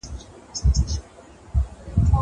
زه مېوې راټولې کړي دي!!